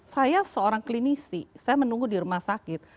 saya seorang klinisi saya menunggu di rumah sakit